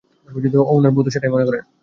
উনার বউ তো সেটাই মনে করেন।